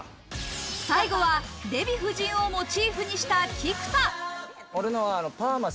最後はデヴィ夫人をモチーフにした菊田。